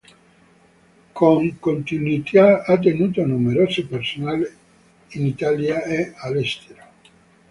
Con continuità ha tenuto numerose personali in Italia e all'estero.